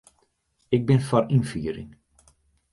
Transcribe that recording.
Ik bin foar ynfiering.